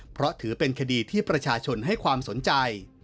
เพราะถือเป็นคดีที่ประชาชนให้ความสนใจ